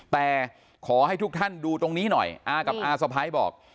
แต่ขอให้ทุกท่านดูตรงนี้หน่อยอากับอาสะพ้ายบอก